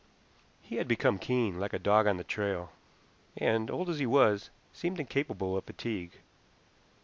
He had become keen, like a dog on the trail, and, old as he was, seemed incapable of fatigue.